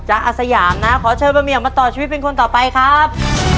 จ๊ะอาสยามนะขอเชิญมาต่อชีวิตเป็นคนต่อไปครับ